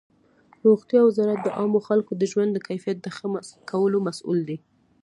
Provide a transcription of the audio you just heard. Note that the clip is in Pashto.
روغتیا وزارت د عامو خلکو د ژوند د کیفیت د ښه کولو مسؤل دی.